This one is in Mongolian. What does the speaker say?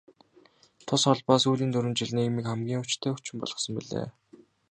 Тус холбоо сүүлийн дөрвөн жилд нийгмийн хамгийн хүчтэй хүчин болсон билээ.